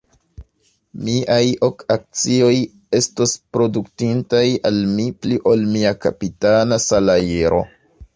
Miaj ok akcioj estos produktintaj al mi pli ol mia kapitana salajro.